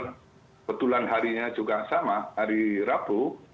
kebetulan harinya juga sama hari rabu